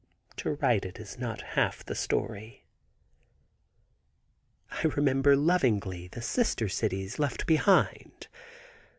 To write it is not half the story. I remember lovingly the sister cities left behind.